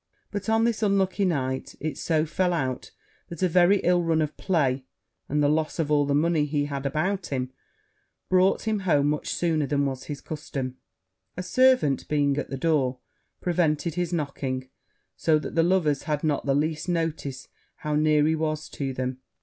But on this unlucky night it so fell out that a very ill run of play, and the loss of all the money he had about him, brought him home much sooner than was his custom: a servant being at the door, prevented his knocking; so that the lovers had not the least notice how near he was to them.